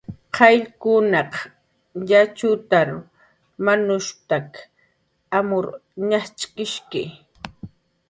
"Qayllkunaq yatxutar manushp""taki amur ñajch'ishki"